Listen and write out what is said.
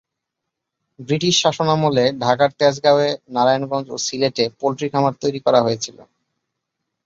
British শাসনামলে ঢাকার তেজগাঁওয়, নারায়ণগঞ্জ ও সিলেটে পোল্ট্রি খামার তৈরি করা হয়েছিল।